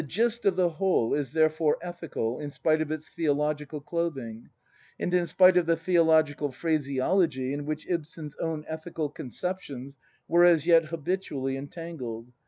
INTRODUCTION 11 gist of the whole is therefore ethical, in spite of its theo logical clothing, and in spite of the theological phrase ology in which Ibsen's own ethical conceptions were as yet habitually entangled.